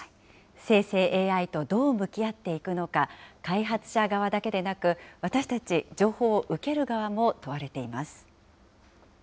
生成ＡＩとどう向き合っていくのか、開発者側だけでなく、私たち情報を受ける側も問われています。